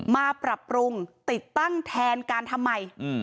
มาปรับปรุงติดตั้งแทนการทำไม